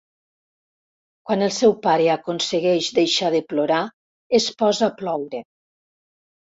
Quan el seu pare aconsegueix deixar de plorar es posa a ploure.